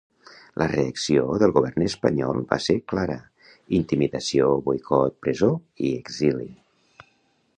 La reacció del govern espanyol va ser clara: intimidació, boicot, presó i exili.